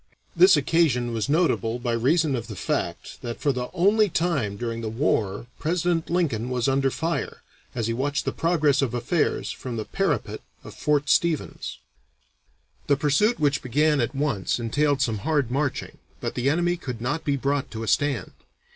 This occasion was notable by reason of the fact that for the only time during the war President Lincoln was under fire, as he watched the progress of affairs from the parapet of Fort Stevens. The pursuit which began at once entailed some hard marching, but the enemy could not be brought to a stand.